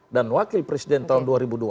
dan wakil presiden tahun dua ribu dua puluh empat